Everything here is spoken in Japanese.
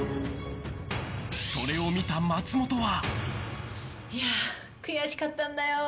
それを見た松本は。